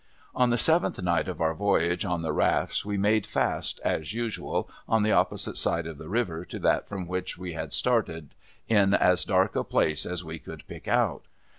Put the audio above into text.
On the seventh night of our voyage on the rafts, we made fast, as usual, on the opposite side of the river to that from which we had started, in as dark a place as we could pick out.